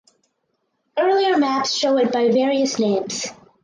Earlier maps show it by various names.